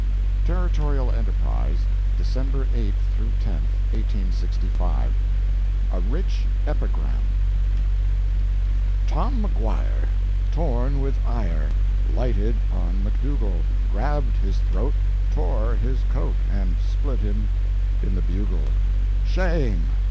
Territorial Enterprise, December 8 10, 1865 A RICH EPIGRAM Tom Maguire, Torn with ire, Lighted on Macdougall, Grabbed his throat, Tore his coat, And split him in the bugle. Shame!